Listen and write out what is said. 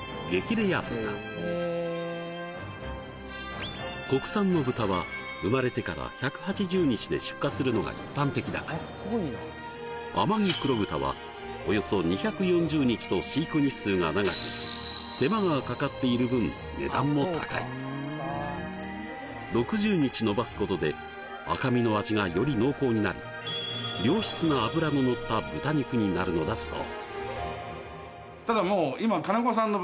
レア豚国産の豚は生まれてから１８０日で出荷するのが一般的だが天城黒豚はおよそ２４０日と飼育日数が長く手間がかかっている分値段も高い６０日延ばすことで良質な脂ののった豚肉になるのだそう